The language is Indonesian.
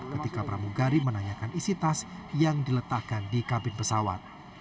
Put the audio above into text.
ketika pramugari menanyakan isi tas yang diletakkan di kabin pesawat